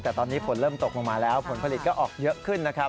แต่ตอนนี้ฝนเริ่มตกลงมาแล้วผลผลิตก็ออกเยอะขึ้นนะครับ